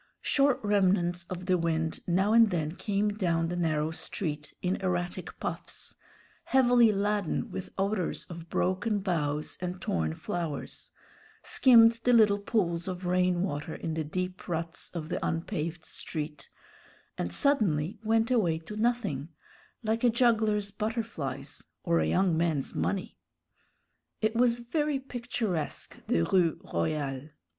Short remnants of the wind now and then came down the narrow street in erratic puffs, heavily laden with odors of broken boughs and torn flowers, skimmed the little pools of rain water in the deep ruts of the unpaved street, and suddenly went away to nothing, like a juggler's butterflies or a young man's money. It was very picturesque, the Rue Royale.